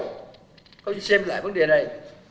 các ông chứ xem lại vấn đề này